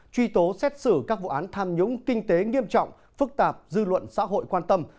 truy tố xét xử các vụ án tham nhũng kinh tế nghiêm trọng phức tạp dư luận xã hội quan tâm